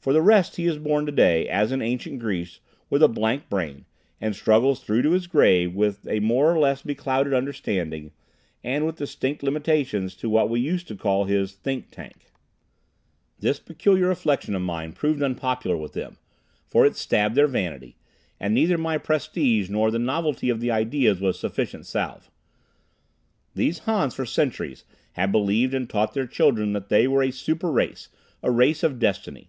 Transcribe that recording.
For the rest he is born today, as in ancient Greece, with a blank brain, and struggles through to his grave, with a more or less beclouded understanding, and with distinct limitations to what we used to call his "think tank." This particular reflection of mine proved unpopular with them, for it stabbed their vanity, and neither my prestige nor the novelty of the idea was sufficient salve. These Hans for centuries had believed and taught their children that they were a super race, a race of destiny.